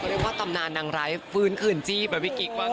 ว่าตำนานนางร้ายฟื้นขืนจีบแบบพี่กิ๊กบ้า